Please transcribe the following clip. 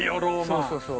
そうそうそう。